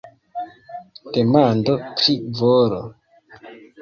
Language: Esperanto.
Demando pri volo.